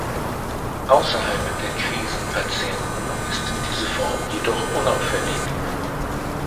Außerhalb der Krisen-Patienten ist diese Form jedoch unauffällig.